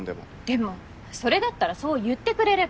でもそれだったらそう言ってくれれば。